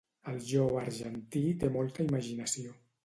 El jove argentí té molta imaginació